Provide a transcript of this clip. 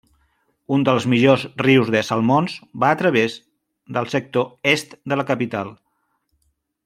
Un dels millors rius de salmons va a través del sector est de la capital.